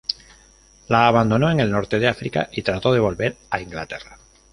La abandonó en el norte de África y trató de volver a Inglaterra.